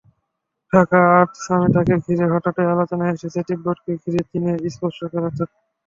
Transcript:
Dhaka art সামিটকে ঘিরে হঠাৎই আলোচনায় এসেছে তিব্বতকে ঘিরে চীনের স্পর্শকাতরতা।